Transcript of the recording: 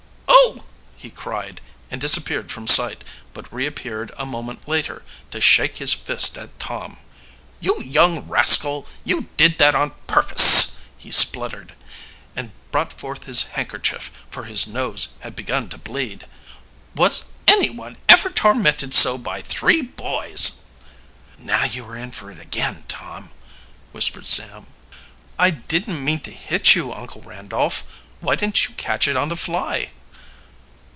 "Oh!" he cried, and disappeared from sight, but reappeared a moment later, to shake his fist at Tom. "You young rascal! You did that on purpose!" he spluttered, and brought forth his handkerchief, for his nose had begun to bleed. "Was anyone ever tormented so by three boys?" "Now you are in for it again, Tom," whispered Sam. "I didn't mean to hit you, Uncle Randolph. Why didn't you catch it on the fly?"